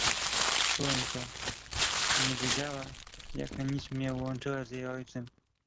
"Czułem to: nie wiedziała, jaka nić mię łączyła z jej ojcem."